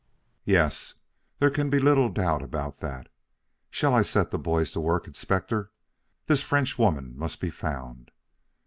"Yes; there can be little doubt about that. Shall I set the boys to work, Inspector? This Frenchwoman must be found."